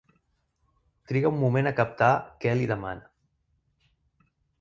Triga un moment a captar què li demana.